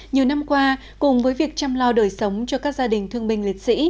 nhiều năm qua cùng với việc chăm lo đời sống cho các gia đình thương binh liệt sĩ